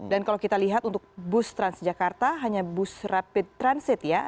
dan kalau kita lihat untuk bus transjakarta hanya bus rapid transit ya